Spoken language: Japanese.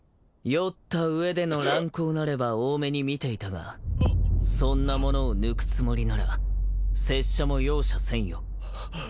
酔った上での乱行なれば大目に見ていたがそんなものを抜くつもりなら拙者も容赦せんよ。